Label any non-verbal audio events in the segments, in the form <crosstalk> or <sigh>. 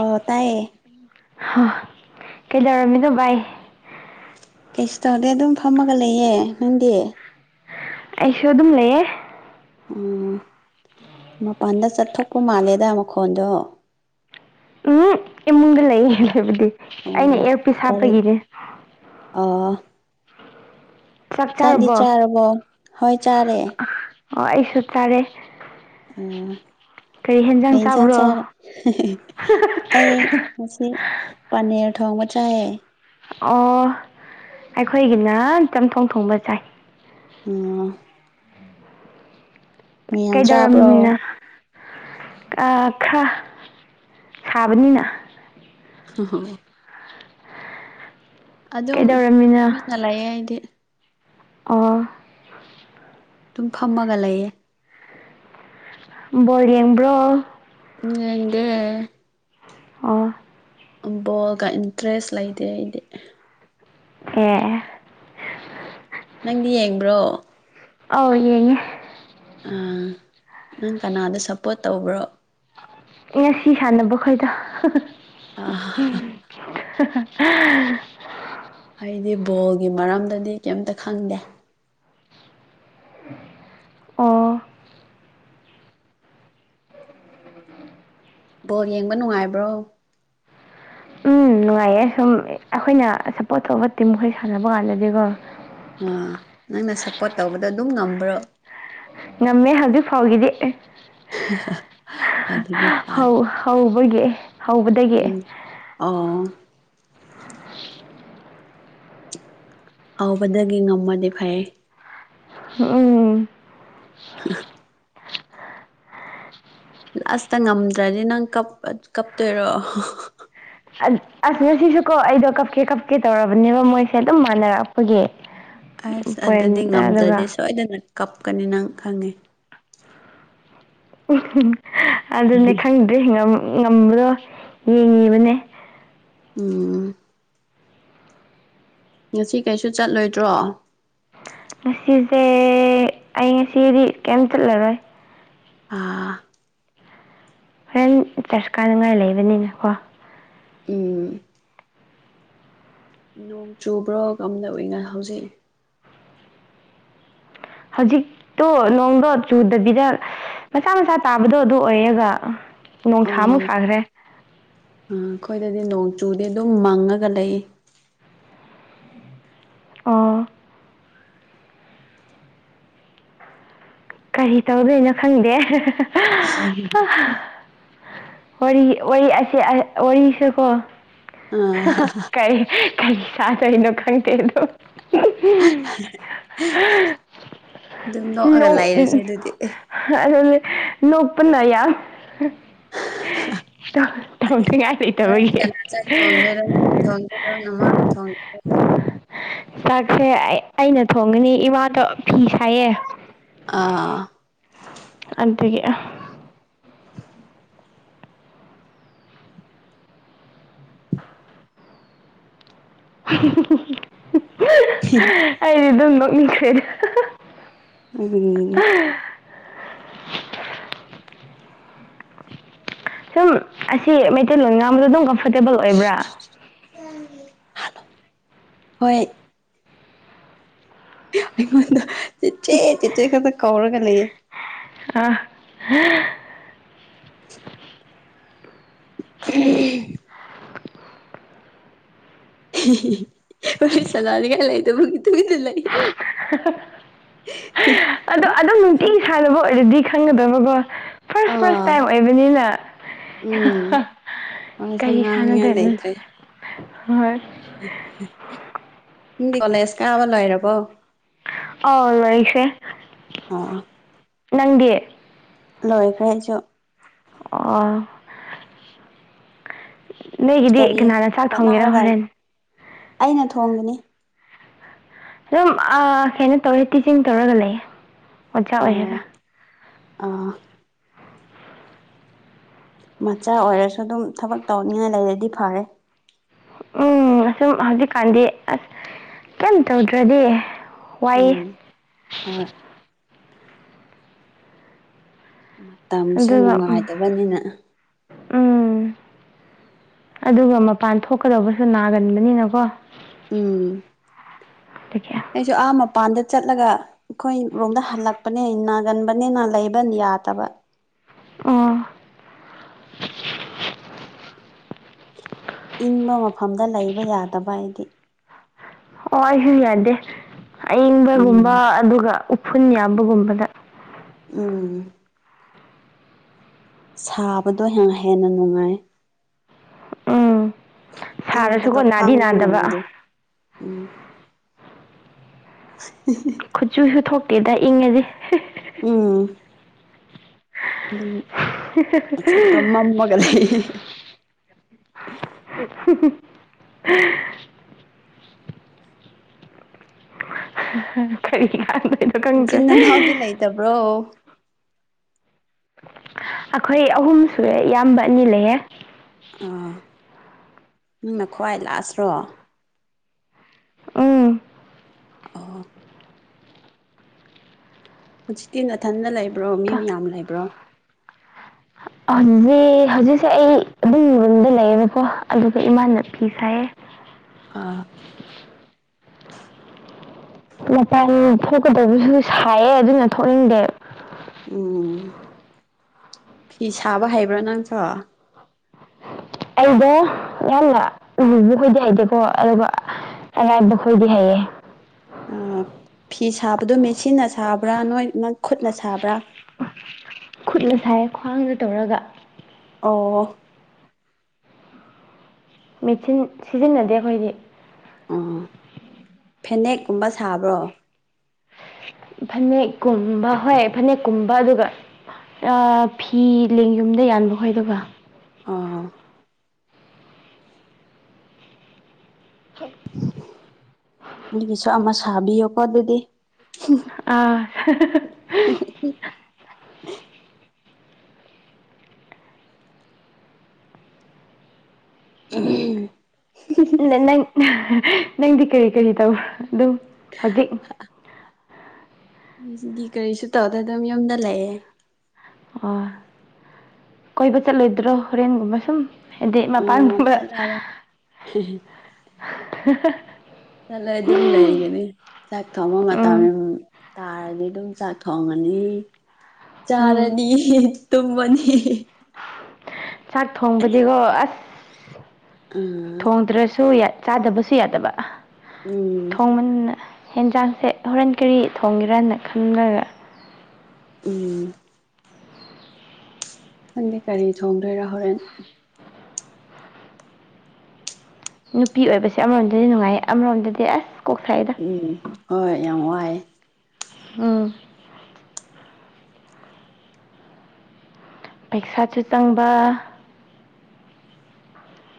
ꯑ ꯇꯥꯏꯌꯦ ꯍ ꯀꯩꯗꯧꯔꯝꯃꯤꯅꯣ ꯚꯏ ꯀꯩꯁꯨ ꯇꯧꯔꯗꯦ ꯑꯗꯨꯝ ꯐꯝꯃꯒ ꯂꯩꯌꯦ ꯅꯪꯗꯤ ꯑꯩꯁꯨ ꯑꯗꯨꯝ ꯂꯩꯌꯦ ꯑ ꯃꯄꯥꯟꯗ ꯆꯠꯊꯣꯛꯄ ꯃꯥꯜꯂꯦꯗ ꯃꯈꯣꯟꯗꯣ ꯂꯩ ꯍꯥꯏꯕꯗꯤ ꯑꯩꯅ ꯑꯣ ꯑꯦꯜ ꯄ ꯀꯔꯤ ꯍꯥꯞꯄꯒꯤꯅꯦ ꯆꯠꯗꯤ ꯆꯥꯔꯕꯣ ꯍꯣꯏ ꯆꯥꯔꯦ ꯑꯣ ꯑꯩꯁꯨ ꯆꯥꯔꯦ ꯑ ꯀꯔꯤ ꯀ ꯍꯦꯟꯖꯥꯡ ꯆ ꯆꯥꯕ꯭ꯔꯣ ꯆꯔꯦ ꯑꯩ ꯉꯁꯤ ꯄꯟꯅꯔ ꯊꯣꯡꯕ ꯆꯥꯏꯑ ꯑꯣ ꯑꯩꯈꯣꯏꯒꯤꯅ ꯆꯝꯊꯣꯡ ꯊꯣꯡꯕ ꯆꯥꯏ ꯑ ꯃꯤ ꯌꯥꯝ ꯆꯥꯕ꯭ꯔꯣ ꯀꯩꯗꯧꯔꯝꯃꯤꯅ ꯈꯔ ꯁꯥꯕꯅꯤꯅ ꯑ ꯍ ꯑꯗꯨꯝ ꯀꯩꯗꯧꯔꯝꯃꯤꯅꯣ ꯇꯨꯃꯤꯟꯅ ꯂꯩꯑꯦ ꯍꯥꯏꯗꯤ ꯑꯣ ꯑꯗꯨꯝ ꯐꯝꯃꯒ ꯂꯩꯌꯦ ꯣ ꯌꯦꯡꯕ꯭ꯔꯣ ꯎꯝꯗꯦ ꯑꯣ ꯕꯣꯜꯒ ꯏꯟꯇꯔꯦꯁ ꯂꯩꯇꯦ ꯑꯩꯗꯤ ꯑꯦ ꯅꯪꯗꯤ ꯌꯦꯡꯕ꯭ꯔꯣ ꯑ ꯌꯦꯡꯉ ꯑ ꯅꯪ ꯀꯅꯥꯗ ꯁꯞꯄꯣꯔꯠ ꯇꯧꯕ꯭ꯔꯣ ꯉꯁꯤ ꯁꯥꯟꯅꯕ ꯈꯣꯏꯗ ꯎꯝ ꯑꯩꯗꯤ ꯕꯣꯜꯒꯤ ꯃꯔꯝꯗꯗꯤ ꯀꯩꯝꯇ ꯈꯪꯗꯦ ꯑꯣ ꯕꯣꯜ ꯌꯦꯡꯕ ꯅꯨꯡꯉꯥꯏꯕ꯭ꯔꯣ ꯎꯝ ꯅꯨꯡꯉꯥꯏꯌꯦ ꯁꯨꯝ ꯑꯩꯈꯣꯏꯅ ꯁꯞꯄꯣꯔꯠ ꯇꯧꯕ ꯇꯤꯝꯈꯣꯏ ꯁꯥꯟꯅꯕ ꯀꯥꯟꯗꯗꯤꯀꯣ ꯑꯥ ꯅꯪꯅ ꯁꯞꯄꯣꯔꯠ ꯇꯧꯕꯗ ꯑꯗꯨꯝ ꯉꯝꯕ꯭ꯔꯣ ꯉꯝꯃꯦ ꯍꯧꯖꯤꯛ ꯐꯥꯎꯒꯤꯗꯤ ꯑꯩ ꯑꯗꯨꯗꯤ ꯐꯔꯦ ꯑꯣꯏꯒꯤ ꯍꯧꯕꯗꯒꯤ ꯑꯥ ꯍꯧꯕꯗꯒꯤ ꯉꯝꯃꯗꯤ ꯐꯩ ꯎꯝ <inaudible> ꯂꯥꯁꯇ ꯉꯝꯗ꯭ꯔꯗꯤ ꯅꯪ ꯀꯞꯇꯣꯏꯔꯣ ꯑꯁ ꯉꯁꯤꯁꯨꯀꯣ ꯑꯩꯗꯣ ꯀꯞꯀꯦ ꯀꯞꯀꯦ ꯇꯧꯔꯕꯅꯦꯕ ꯃꯣꯏꯁꯦ ꯑꯗꯨꯝ ꯃꯥꯟꯅꯔꯛꯄꯒꯤ ꯑꯁ ꯄꯣꯏꯟ ꯑꯗꯨꯗꯤ ꯑꯗꯨꯒ ꯉꯝꯗ꯭ꯔꯗꯤꯦ ꯁꯣꯏꯗꯅ ꯀꯞꯀꯅꯤ ꯅꯪ ꯈꯪꯉꯦ ꯑꯗꯨꯅꯦ ꯈꯪꯗꯦꯝ ꯉꯝꯕꯗꯣ ꯌꯦꯡꯉꯤꯕꯅꯦ ꯑꯣꯝ ꯉꯁꯤ ꯀꯩꯁꯨ ꯆꯠꯂꯣꯏꯗ꯭ꯔꯣ ꯉꯁꯤꯁꯦ ꯑꯩ ꯉꯁꯤꯗꯤ ꯀꯩꯝ ꯆꯠꯂꯔꯣꯏ ꯑꯥ ꯍꯣꯔꯦꯟ ꯇꯔꯁ ꯀꯥꯅꯉꯥꯏ ꯂꯩꯕꯅꯤꯅꯀꯣ ꯎꯝ ꯅꯣꯡ ꯆꯨꯕ꯭ꯔꯣ ꯉꯝꯂꯏꯅ ꯍꯧꯖꯤꯛ ꯍꯧꯖꯤꯛꯇꯣ ꯅꯣꯡꯗ ꯆꯨꯗꯕꯤꯗ ꯃꯆꯥ ꯃꯆꯥ ꯇꯥꯕꯗꯣ ꯑꯗꯨ ꯑꯣꯏꯔꯒ ꯑ ꯅꯣꯡꯁꯥꯃꯨꯛ ꯎ ꯁꯥꯈ꯭ꯔꯦ ꯑꯩꯈꯣꯏꯗꯗꯤ ꯅꯣꯡ ꯁꯨꯗꯤ ꯑꯗꯨꯝ ꯃꯪꯉꯒ ꯂꯩ ꯑ ꯀꯔꯤ ꯇꯧꯗꯦꯅꯣ ꯈꯪꯗꯦ ꯎ ꯁꯨꯀꯣ ꯑꯥ ꯀꯔꯤ ꯀꯔꯤ ꯁꯥꯗꯣꯏꯅꯣ ꯈꯪꯗꯦꯗꯣ ꯑꯗꯨꯝ ꯅ ꯅꯣꯛꯑꯒ ꯎ ꯂꯩꯔꯁꯦ ꯑꯗꯨꯗꯤ ꯍꯥꯏꯁꯦ ꯅꯣꯛ ꯄꯨꯅ ꯌꯥ ꯇꯧꯉꯥꯏ ꯍꯣꯔ ꯀꯅꯥ ꯆꯠ ꯊꯣꯡꯗꯦꯔꯣ ꯅꯪꯅ ꯊꯣꯡꯗꯦꯔꯣ ꯅꯃꯥꯡꯅ ꯊꯣꯡꯗꯦꯔ ꯆꯥꯛꯁꯦ ꯑꯩꯅ ꯊꯣꯡꯉꯅꯤ ꯏꯃꯥꯗꯣ ꯐꯤ ꯁꯥꯏꯌꯦ ꯑꯥ ꯑꯗꯨꯗꯒꯤ ꯑꯩꯗꯤ ꯑꯗꯨꯝ ꯅꯣꯛꯅꯤꯡꯈ꯭ꯔꯦꯅꯦ ꯑꯗꯨ ꯁꯨꯝ ꯑꯁꯤ ꯃꯩꯇꯩꯂꯣꯟ ꯉꯥꯡꯕꯗ ꯑꯗꯨꯝ ꯀꯝꯐꯣꯔꯇꯦꯕꯜ ꯑꯣꯏꯕ꯭ꯔꯥ ꯍꯣꯏ ꯑꯩꯉꯣꯟꯗ ꯆꯤꯆꯦ ꯆꯤꯆꯦ ꯈꯛꯇ ꯀꯧꯔꯒ ꯂꯩꯌꯦ ꯑ ꯎ ꯐ ꯆꯂꯗ ꯀꯥꯏ ꯂꯩꯗꯕꯨꯒꯤ ꯇꯗ ꯂꯩ <inaudible> ꯌꯦ ꯑꯗꯣ ꯑꯗꯨꯝ ꯅꯨꯡꯇꯤ ꯁꯥꯟꯅꯕ ꯑꯣꯏꯔꯗꯤ ꯈꯪꯒꯗꯕꯀꯣ ꯐꯥꯔꯁ ꯐꯥꯔꯁ ꯑꯥ ꯇꯥꯏꯝ ꯑꯣꯏꯕꯅꯤꯅ ꯎꯝ ꯋꯥꯁꯨ ꯀꯔꯤ ꯁꯥꯟꯅꯗꯣꯏꯅꯣ ꯍꯣꯏꯣꯏ ꯪꯗꯤ ꯀꯣꯂꯦꯖ ꯀꯥꯕ ꯂꯣꯏꯔꯕꯣ ꯑꯥꯎ ꯂꯔꯤꯁꯦ ꯅꯪꯗꯤ ꯂꯣꯏꯈ꯭ꯔꯦꯁꯨ ꯑꯣ ꯅꯣꯏꯒꯤꯗꯤ ꯀꯔꯤ ꯀꯅꯥꯅ ꯆꯥꯛ ꯊꯣꯡꯒꯦꯔꯥ ꯍꯣꯠꯅꯔꯒ ꯍꯣꯔꯦꯟ ꯑꯩꯅ ꯊꯣꯡꯕꯅꯤ ꯑꯗꯨꯝ ꯀꯩꯅꯣ ꯇꯧꯔꯦ ꯇꯤꯆꯤꯡ ꯇꯧꯔꯒ ꯂꯩꯌꯦ ꯑꯣꯆꯥ ꯑꯣꯏꯔꯒ ꯑ ꯃꯆꯥ ꯑꯣꯏꯔꯁꯨ ꯑꯗꯨꯝ ꯊꯕꯛ ꯇꯧꯅꯤꯉꯥꯏ ꯂꯩꯔꯗꯤ ꯐꯔꯦ ꯎꯝ ꯑꯁꯨꯝ ꯍꯧꯖꯤꯛꯀꯥꯟꯗꯤ ꯑꯁ ꯀꯩꯝ ꯇꯧꯗ꯭ꯔꯗꯤ ꯋꯥꯏꯌꯦ ꯎꯝ ꯍꯣꯏ ꯃꯇꯝꯁꯨ ꯑꯗꯨꯒ ꯎꯝ ꯅꯨꯡꯉꯥꯏꯇꯕꯅꯤꯅ ꯎꯝ ꯑꯗꯨꯒ ꯃꯄꯥꯟ ꯊꯣꯛꯀꯗꯧꯕꯁꯨ ꯅꯥꯒꯟꯕꯅꯤꯅꯀꯣ ꯑꯗꯨꯒꯤ <inaudible> ꯑꯩꯁꯨ ꯑꯥ ꯃꯄꯥꯟꯗ ꯆꯠꯂꯒ ꯑꯩꯈꯣꯏ ꯔꯣꯝꯗ ꯍꯜꯂꯛꯄꯅꯦ ꯅꯥꯒꯟꯕꯅꯦ ꯅꯥ ꯂꯩꯕꯅꯤ ꯇꯥꯇꯕ ꯑꯣ ꯏꯪꯕ ꯃꯐꯝꯗ ꯂꯩꯕ ꯌꯥꯗꯕ ꯍꯥꯏꯗꯤ ꯑꯣ ꯑꯩꯁꯨ ꯌꯥꯗꯦ ꯎꯝ ꯑꯏꯪꯕꯒꯨꯝꯕ ꯑꯗꯨꯒ ꯐꯨꯟ ꯌꯥꯝꯕꯒꯨꯝꯕꯗ ꯎꯥ ꯁꯥꯕꯗꯣ ꯌꯥꯝ ꯍꯦꯟꯅ ꯅꯨꯡꯉꯥꯏ ꯎꯝ ꯏ ꯀꯗꯣ ꯁꯥꯔꯁꯨꯀꯣ ꯅꯥꯗꯤ ꯈꯥꯡꯕ ꯅꯥꯗꯕ ꯉꯝꯒꯦ ꯎꯝ <inaudible> ꯈꯨꯠꯆꯨꯁꯨ ꯊꯣꯛꯇꯦꯗ ꯏꯪꯉꯁ ꯎꯝ ꯝꯃꯃꯒꯔ <inaudible> ꯀꯔꯤ ꯀꯗꯅꯤ ꯆꯅ ꯅꯎꯗꯅ ꯑꯇꯕ꯭ꯔꯣ ꯑꯩꯈꯣꯏ ꯑꯍꯨꯝ ꯁꯨꯔꯦ ꯏꯌꯥꯝꯕ ꯑꯅꯤ ꯂꯩꯌꯦꯦ ꯑꯥ ꯅꯪꯅ ꯈ꯭ꯋꯥꯏ ꯂꯥꯁ꯭ꯔꯣ ꯑ ꯑ ꯍꯧꯖꯤꯛꯇꯤ ꯅꯥꯊꯟꯗ ꯂꯩꯕ꯭ꯔꯣ ꯃꯤ ꯃ ꯌꯥꯝꯌꯥꯝ ꯂꯩꯕ꯭ꯔꯣ ꯍꯧꯖꯤꯛ ꯍꯧꯖꯤꯛꯁꯦ ꯑꯩ ꯑꯗꯨꯝ ꯌꯨꯝꯗ ꯂꯩꯌꯦꯕꯀꯣ ꯑꯗꯨꯒ ꯏꯃꯥꯅꯄꯤ ꯁꯥꯏꯑ ꯑꯥ ꯃꯄꯥꯟ ꯊꯣꯛꯀꯗꯧꯕꯁꯨ ꯁꯥꯏꯌꯦ ꯑꯗꯨꯅ ꯊꯣꯛꯅꯤꯡꯗꯦ ꯎꯝ ꯐꯤ ꯁꯥꯕ ꯍꯩꯕ꯭ꯔꯥ ꯅꯪꯁꯨ ꯑꯩꯗꯣ ꯌꯥꯝꯍꯅ ꯂꯨꯕ ꯑꯣꯏꯗꯤ ꯍꯥꯏꯗꯦꯀꯣ ꯑꯗꯨꯒ ꯔꯥꯏꯕꯈꯣꯏꯗꯤ ꯍꯥꯏꯌꯦ ꯐꯤ ꯁꯥꯕꯗꯣ ꯃꯦꯠꯆꯤꯟꯅ ꯁꯥꯕ꯭ꯔꯥ ꯅꯣꯏ ꯅꯪ ꯈꯨꯠꯅ ꯁꯥꯕ꯭ꯔꯥ ꯈꯨꯠꯅ ꯁꯥꯏ ꯈ꯭ꯋꯥꯡꯗ ꯇꯧꯔꯒ ꯑꯣ ꯃꯦꯆꯤꯟ ꯁꯤꯖꯤꯟꯅꯗꯦ ꯑꯩꯈꯣꯏꯗꯤ ꯑ ꯐꯅꯦꯛꯀꯨꯝꯕ ꯁꯥꯕ꯭ꯔꯣ ꯐꯅꯦꯛ ꯀꯨꯝꯕ ꯍꯣꯏ ꯐꯅꯦꯛꯀꯨꯝꯕ ꯑꯗꯨꯒ ꯑ ꯐꯤ ꯂꯦꯡ ꯌꯨꯝꯗ ꯌꯥꯟꯕ ꯈꯣꯏ ꯑꯗꯨꯒ ꯑꯥ ꯍ ꯑꯩꯒꯤꯁꯨ ꯑꯃ ꯁꯥꯕꯤꯌꯣꯀꯣ ꯑꯗꯨꯗꯤ ꯑꯥ <inaudible> <inaudible> ꯑ ꯅ ꯅꯪꯗꯤ ꯀꯔꯤ ꯀꯔꯤ ꯇꯧꯕ ꯑꯗꯨꯝ ꯍꯧꯖꯤꯛ ꯑꯩꯗꯤ ꯀꯔꯤꯁꯨ ꯇꯧꯗ ꯑꯗꯨꯝ ꯌꯨꯝꯗ ꯂꯩꯑꯦ ꯑꯣ ꯀꯣꯏꯕ ꯆꯠꯂꯣꯏꯗ꯭ꯔꯣ ꯍꯣꯔꯦꯟꯒꯨꯝꯕ ꯁꯨꯝ ꯑꯗꯨꯗꯤ ꯎꯝ ꯃꯄꯥꯟꯕ ꯆꯠꯂꯔꯣꯏ ꯆꯠꯂ ꯑꯗꯨꯝ ꯂꯩꯒꯅꯤ ꯆꯥꯛ ꯊꯣꯡꯐꯝ ꯃꯇꯝ ꯇꯥꯔꯗꯤ ꯑꯗꯨꯝ ꯆꯥꯛ ꯊꯣꯡꯉꯅꯤ ꯎꯝ ꯆꯥꯔꯗꯤ ꯇꯨꯝꯃꯅꯤ ꯆꯥꯛ ꯊꯣꯡꯕꯗꯤꯀꯣ ꯑꯁ ꯎꯝ ꯊꯣꯡꯗ꯭ꯔꯁꯨ ꯌꯥꯏ ꯆꯥꯗꯕꯁꯨ ꯌꯥꯗꯕ ꯎꯝ ꯊꯣꯡꯃꯟꯅ ꯌꯦꯦꯟꯖꯥꯡꯁꯦ ꯍꯣꯔꯦꯟ ꯀꯔꯤ ꯊꯣꯡꯒꯦꯔꯅ ꯈꯟꯂꯒ ꯎꯝ ꯈꯪꯗꯦ ꯀꯔꯤ ꯊꯣꯡꯗꯣꯏꯔꯥ ꯍꯣꯔꯦꯟ ꯅꯨꯄꯤ ꯑꯣꯏꯕꯁꯦ ꯑꯃꯔꯣꯝꯗꯗꯤ ꯅꯨꯡꯉꯥꯏꯌꯦ ꯑꯃꯔꯣꯝꯗꯗꯤ ꯑꯁ ꯀꯣꯛ ꯁꯥꯏꯗ ꯎꯝ ꯍꯣꯏ ꯌꯥꯝ ꯋꯥꯏꯑꯦ ꯑꯝ ꯄꯩꯁꯥꯁꯨ ꯆꯪꯕ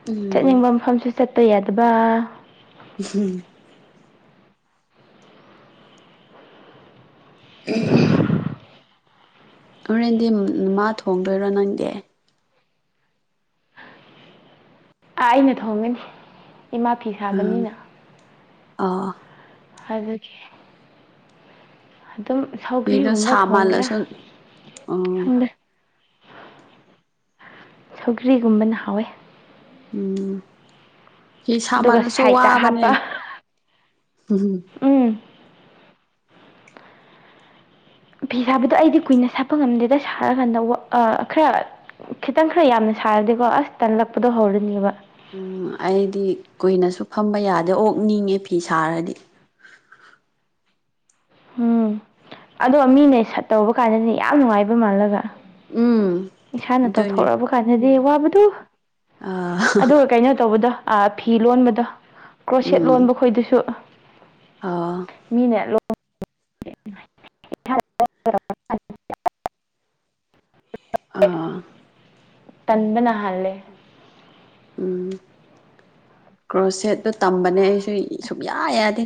ꯎꯝ ꯆꯠꯅꯤꯡꯕ ꯃꯐꯝꯁꯨ ꯆꯠꯇ ꯌꯥꯗꯕ ꯎꯝ ꯎ ꯍꯣꯔꯦꯟꯗꯤ ꯃꯥ ꯊꯣꯡꯗꯣꯏꯔꯣ ꯅꯪꯗꯤ ꯑꯥ ꯑꯩꯅ ꯊꯣꯡꯒꯅꯤ ꯏꯃꯥ ꯐꯤ ꯑꯪ ꯁꯥꯕꯅꯤꯅ ꯑꯥ ꯑꯗꯨꯗꯒꯤꯦ ꯑꯗꯨꯝ ꯐꯤꯗꯣ ꯁꯧꯒ꯭ꯔꯤꯒꯨꯝꯕ ꯁꯥ ꯊꯣꯡꯒꯦꯔꯥ ꯃꯥꯜꯂꯁꯨ ꯑꯥ ꯈꯪꯗ꯭ꯔꯦ ꯁꯧꯒ꯭ꯔꯤꯒꯨꯝꯕꯅ ꯍꯥꯎꯋꯦ ꯎꯝ ꯐ ꯑꯗꯨꯒ ꯁꯥꯃꯜꯂꯁꯨ ꯁꯥꯏꯗꯇ ꯋꯥꯕꯅꯦ ꯍꯥꯞꯄ ꯎꯝ ꯎꯝ ꯐꯤ ꯁꯥꯕꯗꯣ ꯑꯩꯗꯤ ꯀꯨꯏꯅ ꯁꯥꯄ ꯉꯝꯗꯦꯗ ꯁꯥꯔꯀꯥꯟꯗ ꯈꯔ ꯈꯤꯇꯪ ꯈꯔ ꯌꯥꯝꯅ ꯊꯥꯔꯗꯤꯀꯣ ꯑꯁ ꯇꯜꯂꯛꯄꯗꯣ ꯍꯧꯔꯅꯦꯕ ꯎꯝ ꯑꯩꯗꯤ ꯀꯨꯏꯅꯁꯨ ꯐꯝꯕ ꯌꯥꯗꯦ ꯑꯣꯛ ꯅꯤꯡꯉꯦ ꯐꯤ ꯁꯥꯔꯗꯤ <inaudible> ꯎꯝ ꯑꯗꯣ ꯃꯤꯅ ꯁꯠꯇꯧꯕ ꯀꯥꯟꯗꯗꯤ ꯌꯥꯝ ꯅꯨꯡꯉꯥꯏꯕ ꯃꯥꯜꯂꯒ ꯎꯝ ꯏꯁꯥꯅ ꯑꯗꯨꯅꯤ ꯇꯧꯊꯣꯔꯛꯑꯕ ꯀꯥꯟꯗꯗꯤ ꯋꯥꯕꯗꯨ ꯑꯥ ꯑꯗꯨꯒ ꯀꯩꯅꯣ ꯇꯧꯕꯗꯣ ꯐꯤ ꯂꯣꯟꯕꯗ ꯀ꯭ꯔꯣꯁꯦꯠ ꯂꯣꯟꯕ ꯈꯣꯏꯗꯁꯨ ꯑ <inaudible> ꯑꯥ ꯇꯟꯗꯅꯍꯂꯦ ꯀ꯭ꯔꯣ ꯁꯦꯠꯇꯨ ꯇꯝꯕꯅꯦ ꯑꯩꯁꯨ ꯁꯨꯡꯌꯥ ꯌꯥꯗꯦ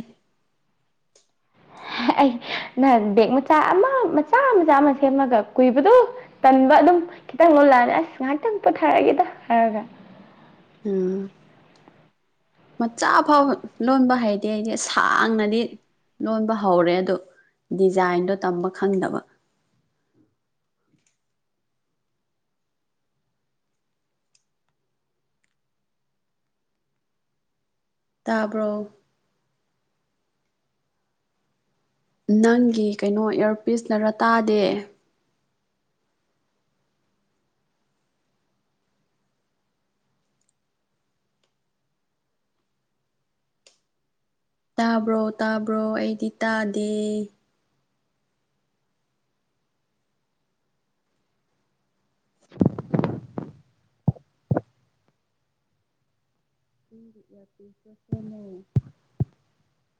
ꯎꯝ ꯑꯩ ꯅ ꯕꯦꯛ ꯃꯆꯥ ꯑꯃ ꯃꯆꯥ ꯃꯆꯥ ꯑꯃ ꯁꯦꯝꯃꯒ ꯀꯨꯏꯕꯗꯨ ꯇꯟꯕ ꯑꯗꯨꯝ ꯈꯤꯇꯪ ꯂꯣꯜꯂꯛꯑꯅꯤ ꯑꯁ ꯉꯥꯏꯍꯥꯛꯇꯪ ꯄꯣꯊꯥꯔꯛꯒꯦꯗ ꯍꯥꯏꯔꯒ ꯎꯝ ꯃꯆꯥ ꯐꯥꯎ ꯂꯣꯟꯕ ꯍꯥꯏꯩꯗꯤ ꯑꯩꯗꯤ ꯁꯥꯡꯅꯗꯤ ꯂꯣꯟꯕ ꯍꯧꯔꯦ ꯑꯗ ꯗꯤꯖꯥꯏꯟꯗꯣ ꯇꯝꯕ ꯈꯪꯗꯕ ꯇꯥꯕ꯭ꯔꯣ ꯅꯪꯒꯤ ꯀꯩꯅꯣ ꯏꯌꯥꯔꯄꯤꯤꯁ ꯂꯩꯔ ꯇꯥꯗꯦ ꯇꯥꯕ꯭ꯔꯣ ꯇꯥꯕ꯭ꯔꯣ ꯑꯩꯗꯤ ꯇꯥꯗꯦ ꯎꯁꯁ